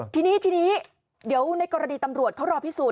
ทีนี้ทีนี้เดี๋ยวในกรณีตำรวจเขารอพิสูจน